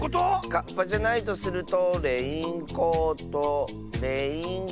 カッパじゃないとするとレインコートレインコート。